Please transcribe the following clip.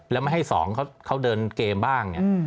แล้วไม่ให้๒เขาเดินเกมบ้าง